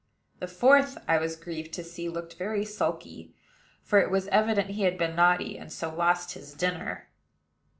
The fourth, I was grieved to see, looked very sulky; for it was evident he had been naughty, and so lost his dinner.